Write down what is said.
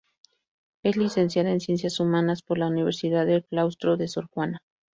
Es Licenciada en Ciencias Humanas por la Universidad del Claustro de Sor Juana.